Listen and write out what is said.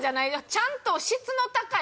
ちゃんと質の高い。